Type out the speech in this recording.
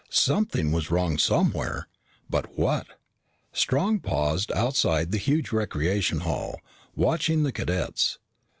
Something was wrong somewhere. But what? Strong paused outside the huge recreation hall, watching the cadets.